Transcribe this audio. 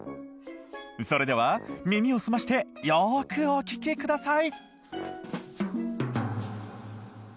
それでは耳をすましてよくお聴きください